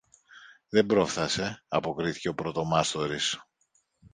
Δεν πρόφθασε, αποκρίθηκε ο πρωτομάστορης.